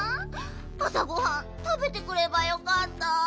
あさごはんたべてくればよかった。